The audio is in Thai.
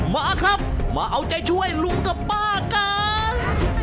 มาครับมาเอาใจช่วยลุงกับป้ากัน